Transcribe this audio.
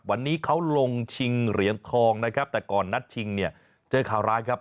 วันนี้เขาลงชิงเหรียญทองนะครับแต่ก่อนนัดชิงเนี่ยเจอข่าวร้ายครับ